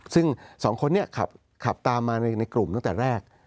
ซึ่งสองคนนี้ขับตามมาในกลุ่มตั้งแต่แรก